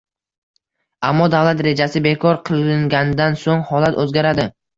Ammo davlat rejasi bekor qilingandan so‘ng holat o‘zgaradi